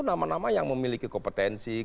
nama nama yang memiliki kompetensi